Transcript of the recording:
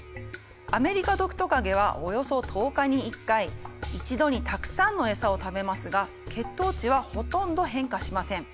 アメリカドクトカゲはおよそ１０日に１回一度にたくさんのエサを食べますが血糖値はほとんど変化しません。